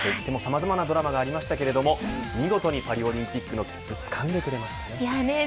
何といってもさまざまなドラマがありましたが、見事にパリオリンピックの切符をつかんでくれましたね。